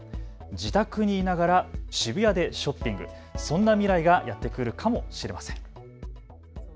自宅にいながら渋谷でショッピング、そんな未来がやってくるかもしれません。